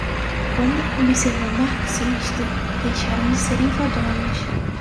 como observou um marxista, deixaram de ser enfadonhas.